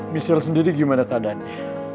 misal sendiri gimana keadaannya